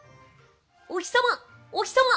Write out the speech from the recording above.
お日様、お日様！